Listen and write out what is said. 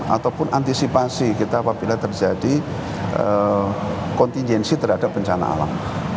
ataupun antisipasi kita apabila terjadi kontingensi terhadap bencana alam